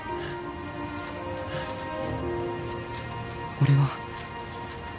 「俺は」